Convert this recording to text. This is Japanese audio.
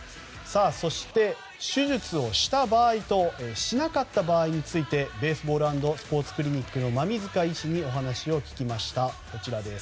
そして、手術をした場合としなかった場合についてベースボール＆スポーツクリニックの馬見塚医師にお話を聞きました。